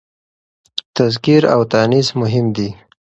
تذکير او تانيث مهم دي.